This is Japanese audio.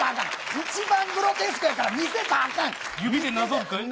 一番グロテスクやから見せたらあかん！